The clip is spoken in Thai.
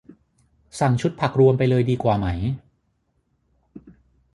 สั่งชุดผักรวมไปเลยดีกว่าไหม